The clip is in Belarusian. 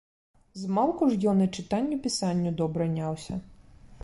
Змалку ж ён і чытанню-пісанню добра няўся.